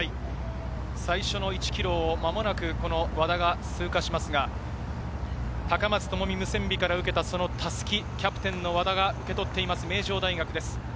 最初の１ｋｍをまもなく和田が通過しますが、高松智美ムセンビから受けた襷、キャプテンの和田が受け取っています、名城大学です。